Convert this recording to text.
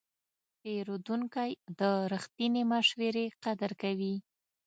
پیرودونکی د رښتینې مشورې قدر کوي.